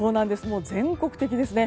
全国的ですね。